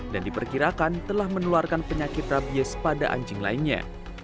dan diperkirakan telah meneluarkan penyakit rabies pada anjing lainnya